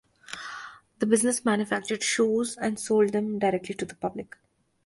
The business manufactured shoes and sold them directly to the public.